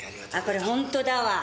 これホントだわ。